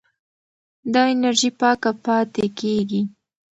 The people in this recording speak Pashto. دا انرژي پاکه پاتې کېږي.